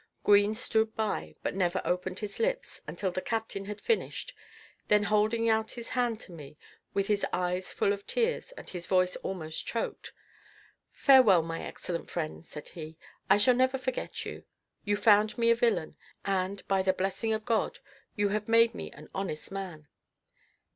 Green stood by, but never opened his lips until the captain had finished; then holding out his hand to me, with his eyes full of tears, and his voice almost choked, "Farewell, my excellent friend," said he; "I shall never forget you; you found me a villain, and, by the blessing of God, you have made me an honest man.